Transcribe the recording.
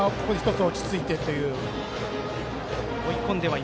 落ち着いてという。